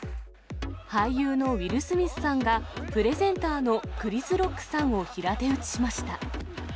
俳優のウィル・スミスさんが、プレゼンターのクリス・ロックさんを平手打ちしました。